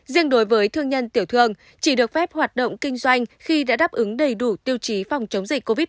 riêng đối với thương nhân tiểu thương chỉ được phép hoạt động kinh doanh khi đã đáp ứng đầy đủ tiêu chí phòng chống dịch covid một mươi chín